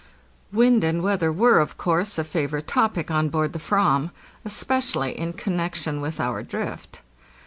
Wind and weather were, of course, a favorite topic on board the Fram, especially in connection with our drift.